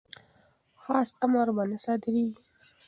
خاص امر به نه صادریږي.